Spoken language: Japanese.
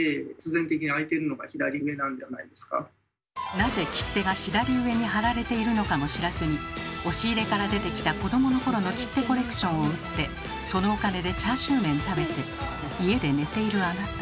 なぜ切手が左上に貼られているのかも知らずに押し入れから出てきた子供の頃の切手コレクションを売ってそのお金でチャーシュー麺食べて家で寝ているあなた。